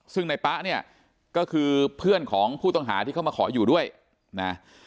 ซึ่งในป๊าเนี่ยก็คือเพื่อนของผู้ต้องหาที่เข้ามาขออยู่ด้วยนะ